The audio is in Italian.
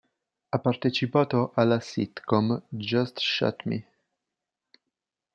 Ha partecipato alla sitcom "Just Shoot Me!